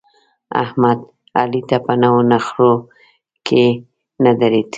احمد؛ علي ته په نو نخرو کې نه درېد.